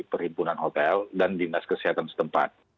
perhimpunan hotel dan dinas kesehatan setempat